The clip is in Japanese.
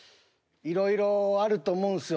いろいろあると思うんすよ